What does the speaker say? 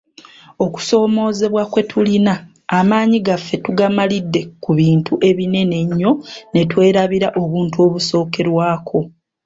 Okusoomoozebwa kwetulina, amaanyi gaffe tugamalidde ku bintu ebinene ennyo netwerabira obuntu obusookerwako.